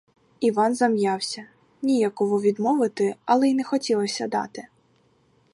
Іван зам'явся: ніяково відмовити, але й не хотілося дати.